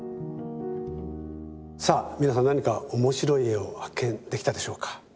さあ皆さん何か面白い絵を発見できたでしょうか？